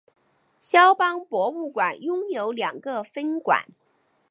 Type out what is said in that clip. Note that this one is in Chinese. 萧邦博物馆拥有两个分馆。